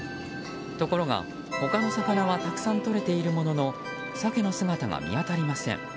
ところが、他の魚はたくさんとれているもののサケの姿が見当たりません。